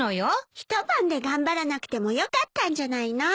一晩で頑張らなくてもよかったんじゃないの？